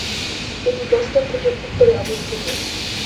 এটি বোস্টন থেকে উত্তরে অবস্থিত।